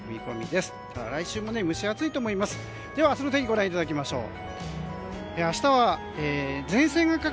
では明日の天気をご覧いただきましょう。